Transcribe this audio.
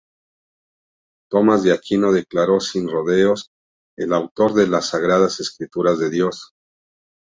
Tomás de Aquino declaró sin rodeos: "El autor de las Sagradas Escrituras es Dios".